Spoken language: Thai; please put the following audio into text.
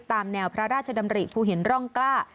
ตามแนวพระราชดำริภูหินร่องกล้า